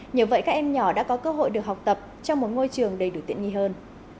nhờ vậy các em nhỏ đã có cơ hội được học tập trong một ngôi trường đầy đủ tiện nghi hơn